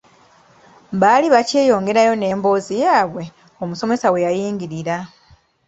Baali bakyeyongerayo n'emboozi yaabwe, omusomesa we yayingirira.